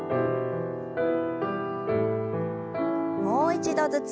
もう一度ずつ。